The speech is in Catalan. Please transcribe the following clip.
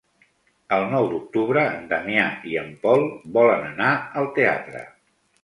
El nou d'octubre en Damià i en Pol volen anar al teatre.